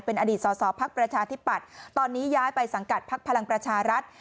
อดีตสอสอภักดิ์ประชาธิปัตย์ตอนนี้ย้ายไปสังกัดพักพลังประชารัฐ